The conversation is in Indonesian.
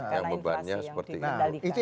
yang bebannya seperti itu